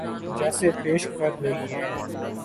جسے پیش کر رہی ہیں